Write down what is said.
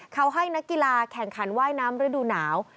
เขาให้นักกีฬาแข่งขันว่ายน้ำฤดูหนาว